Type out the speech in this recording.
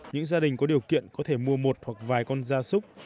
những gia đình có điều kiện có thể mua một hoặc vài con gia súc